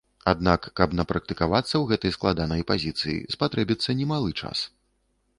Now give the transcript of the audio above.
Аднак, каб напрактыкавацца ў гэтай складанай пазіцыі, спатрэбіцца немалы час.